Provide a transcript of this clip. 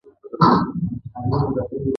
هغه د ماښام په سمندر کې د امید څراغ ولید.